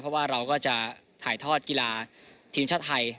เพราะว่าเราก็จะถ่ายทอดกีฬาทีมชาติไทย